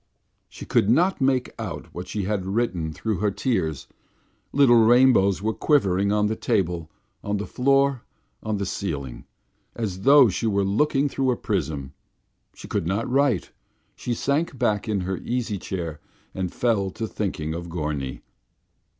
She could not make out what she had written through her tears; little rainbows were quivering on the table, on the floor, on the ceiling, as though she were looking through a prism. She could not write, she sank back in her easy chair and fell to thinking of Gorny.